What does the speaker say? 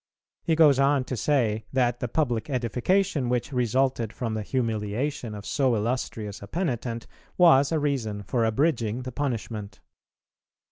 He goes on to say that the public edification which resulted from the humiliation of so illustrious a penitent was a reason for abridging the punishment.